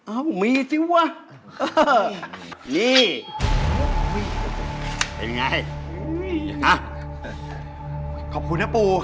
เอ้ามีสิวะนี่เป็นไงอ่ะขอบคุณนะปู่